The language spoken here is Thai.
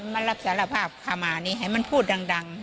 มันรับสารภาพขมานี่ให้มันพูดดัง